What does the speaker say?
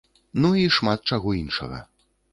Ну і шмат чаго іншага.